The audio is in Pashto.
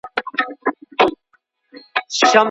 که څوک خپلي ميرمني ته په خطاکي ورږغ کړي، چي اې طلاقي سوې!